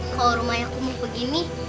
kalau rumahnya aku mau begini